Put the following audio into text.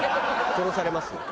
殺されますよ。